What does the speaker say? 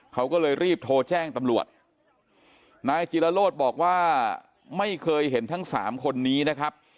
เขาก็เลยรีบโทรแจ้งตำรวจนายจิลโลธบอกว่าไม่เคยเห็นทั้งสามคนนี้นะครับ